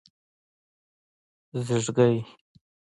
🦔 ږېږګۍ